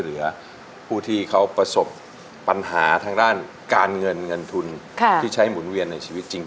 เหลือผู้ที่เขาประสบปัญหาทางด้านการเงินเงินทุนที่ใช้หมุนเวียนในชีวิตจริง